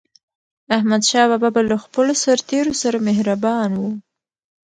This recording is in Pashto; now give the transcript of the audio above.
احمدشاه بابا به له خپلو سرتېرو سره مهربان و.